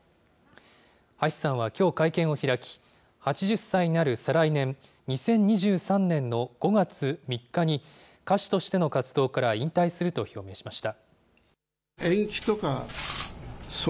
橋さんはきょう会見を開き、８０歳になる再来年・２０２３年の５月３日に、歌手としての活動から引退すると表明しました。